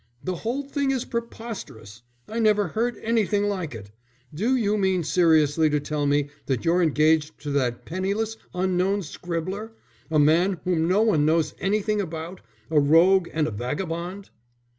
The whole thing is preposterous. I never heard anything like it. Do you mean seriously to tell me that you're engaged to that penniless, unknown scribbler a man whom no one knows anything about, a rogue and a vagabond?"